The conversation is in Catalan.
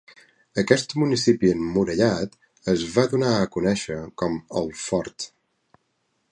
Aquest municipi emmurallat es va donar a conèixer com "el Fort".